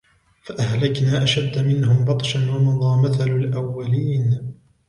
فَأَهْلَكْنَا أَشَدَّ مِنْهُمْ بَطْشًا وَمَضَى مَثَلُ الْأَوَّلِينَ